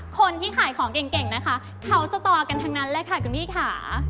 คนที่ขายของเก่งนะคะเขาสตอกันทั้งนั้นเลยค่ะคุณพี่ค่ะ